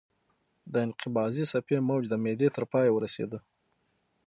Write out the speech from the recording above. د انقباضي څپه موج د معدې تر پایه ورسېده.